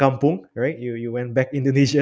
kampung anda kembali ke indonesia